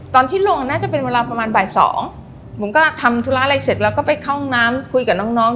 ตอนที่ลงน่าจะเป็นเวลาประมาณบ่ายสองบุ๋มก็ทำธุระอะไรเสร็จแล้วก็ไปเข้าห้องน้ำคุยกับน้องน้อง